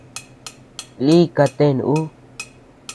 Lï ka ten ú.